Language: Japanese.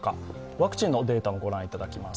ワクチンのデータも御覧いただきます。